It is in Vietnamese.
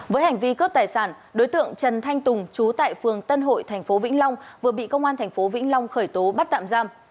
với hành vi cướp tài sản đối tượng trần thanh tùng chú tại phường tân hội tp vĩnh long vừa bị công an tp vĩnh long khởi tố bắt tạm giam